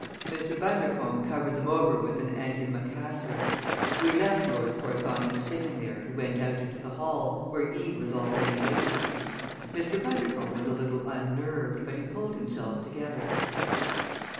Mr. Bundercombe covered them over with an antimacassar. We left Lord Porthoning sitting there and went out into the hall, where Eve was already waiting. Mr. Bundercombe was a little unnerved, but he pulled himself together.